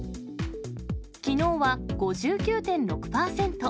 きのうは５９．６％。